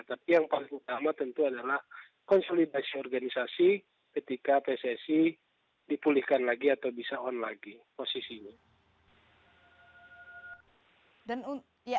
tapi yang paling utama tentu adalah konsolidasi organisasi ketika pssi dipulihkan lagi atau bisa on lagi posisinya